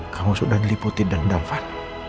kamu sudah diliputi dendam van